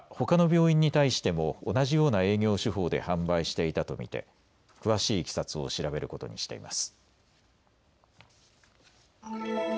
警視庁はほかの病院に対しても同じような営業手法で販売していたと見て、詳しい経緯を調べることにしています。